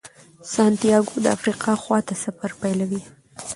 سانتیاګو د افریقا خواته سفر پیلوي.